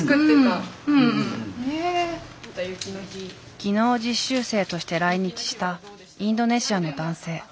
技能実習生として来日したインドネシアの男性。